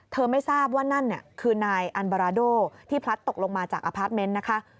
ไม่ทราบว่านั่นคือนายอันบาราโดที่พลัดตกลงมาจากอพาร์ทเมนต์นะคะ